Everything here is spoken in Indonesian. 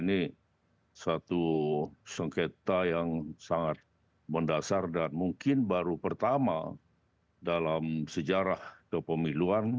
ini satu sengketa yang sangat mendasar dan mungkin baru pertama dalam sejarah kepemiluan